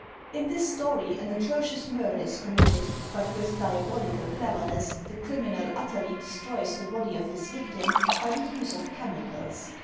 In this story an atro cious murder is committed, but with diabolical cleverness the criminal utterly destroys the body of his victim by the use of chemicals.